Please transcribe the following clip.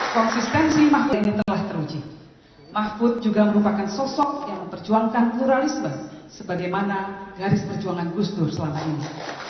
konsistensi mahfud ini telah teruji mahfud juga merupakan sosok yang memperjuangkan pluralisme sebagaimana garis perjuangan gus dur selama ini